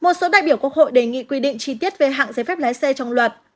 một số đại biểu quốc hội đề nghị quy định chi tiết về hạng giấy phép lái xe trong luật